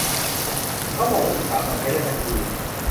เขาบอกว่าอีกสามวันใช้ได้ทันที